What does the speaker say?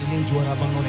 ini juara abang none